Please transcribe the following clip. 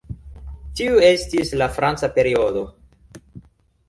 Tiu estis la "franca periodo".